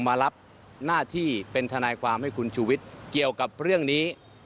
มารับหน้าที่เป็นทนายความให้คุณชูวิทย์เกี่ยวกับเรื่องนี้